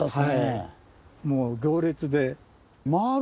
はいもう行列で。